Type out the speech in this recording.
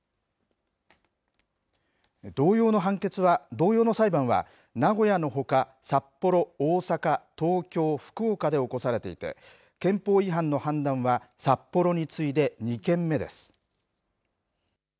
同様の裁判は、名古屋のほか、札幌、大阪、東京、福岡で起こされていて、憲法違反の判断は札幌に次いで２件目です。